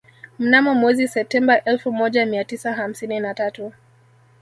Mnamo mwezi Septemba elfu moja mia tisa hamsini na tatu